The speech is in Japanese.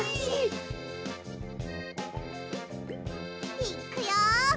いっくよ！